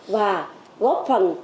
và góp phần